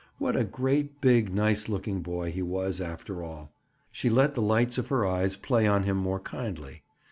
What a great, big, nice looking boy he was, after all! She let the lights of her eyes play on him more kindly.